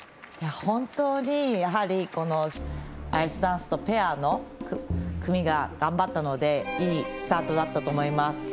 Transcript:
本当に、アイスダンスとペアの組が頑張ったのでいいスタートだったと思います。